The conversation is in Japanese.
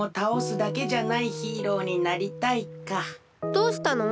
どうしたの？